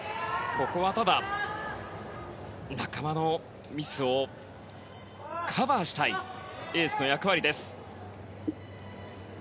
ここはただ仲間のミスをカバーしたいエースの役割です。